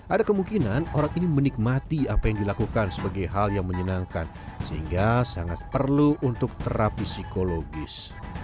ada kemungkinan orang ini menikmati apa yang dilakukan sebagai hal yang menyenangkan sehingga sangat perlu untuk terapi psikologis